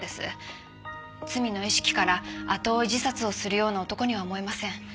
罪の意識から後追い自殺をするような男には思えません。